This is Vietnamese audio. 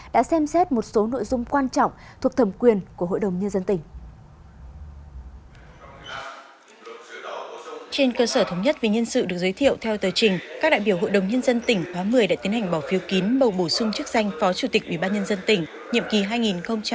đã xem xét một số nội dung quan trọng thuộc thẩm quyền của hội đồng nhân dân tỉnh